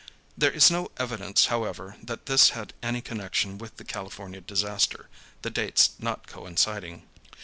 There is no evidence, however, that this had any connection with the California disaster, the dates not coinciding.